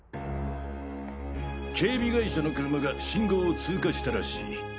警備会社の車が信号を通過したらしい。